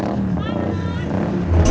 aku akan yakin